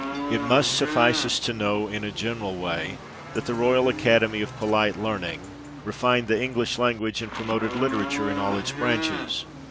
It must suffice us to know, in a general way, that the " Royal Academy of Polite Learning" "refined the English language, and promoted literature in all its branches.